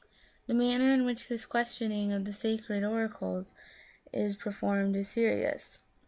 The manner in which this questioning of the sacred oracles is performed is serious.